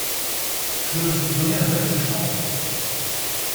Je me suis donné un valet de chambre.